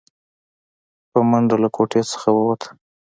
په منډه له کوټې څخه ووته.